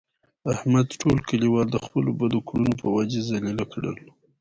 احمد ټول کلیوال د خپلو بدو کړنو په وجه ذلیله کړل.